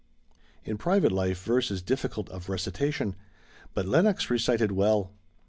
'" In private life, verse is difficult of recitation, but Lenox recited well.